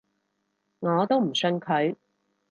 我都唔信佢